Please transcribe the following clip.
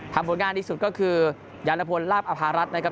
ผลงานดีสุดก็คือยารพลลาบอภารัฐนะครับ